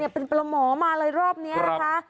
เป็นประหมอมาเลยรอบนี้นะคะ